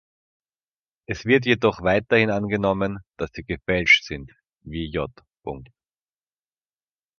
Es wird jedoch weithin angenommen, dass sie gefälscht sind, wie J.